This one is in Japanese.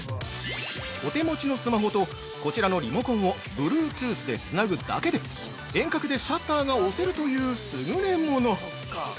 ◆お手持ちのスマホとこちらのリモコンをＢｌｕｅｔｏｏｔｈでつなぐだけで遠隔でシャッターが押せるという優れもの！